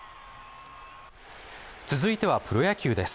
続いてはプロ野球です。